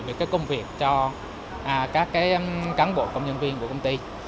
và công việc cho các cán bộ công nhân viên của công ty